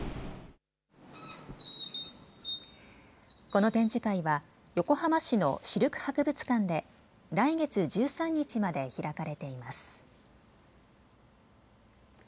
この展示会は横浜市のシルク博物館で来月１３日まで開かれています。